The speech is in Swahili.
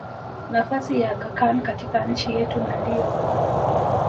nafasi ya Aga Khan katika nchi yetu na ndiyo